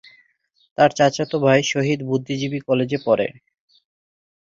তার চাচাতো ভাই শহীদ বুদ্ধিজীবী কলেজে পড়ে।